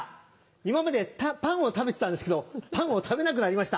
今までパンを食べてたんですけどパンを食べなくなりました。